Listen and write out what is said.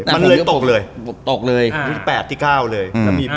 มันเลยตกเลย๘ที่๙เลย